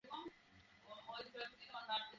আমরা এখানেই শত্রুদের গতিরোধ করব।